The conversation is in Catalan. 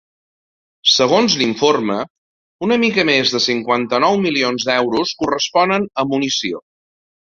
Segons l’informe, una mica més de cinquanta-nou milions d’euros corresponen a munició.